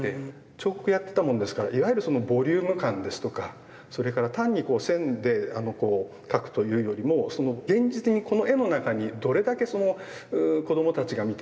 彫刻やってたもんですからいわゆるそのボリューム感ですとかそれから単に線でこう描くというよりも現実にこの絵の中にどれだけ子どもたちが見てですね